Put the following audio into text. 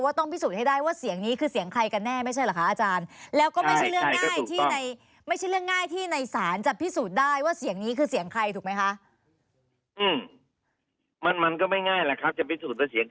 ว่าต้องพิสูจน์ให้ได้ว่าเสียงนี้คือเสียงใครกันแน่